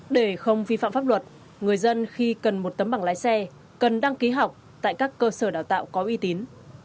để không vi phạm pháp luật người dân khi cần một tấm bằng lái xe cần đăng ký học tại các cơ sở đào tạo có uy tín